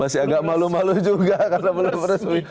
masih agak malu malu juga karena belum resmi